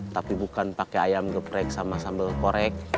tapi bukan pakai ayam geprek sama sambal korek